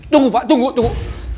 tunggu pak tunggu tunggu